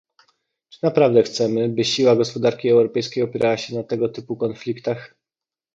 Czy naprawdę chcemy, by siła gospodarki europejskiej opierała się na tego typu konfliktach